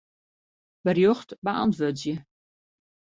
Berjocht beäntwurdzje.